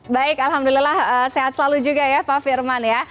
baik alhamdulillah sehat selalu juga ya pak firman ya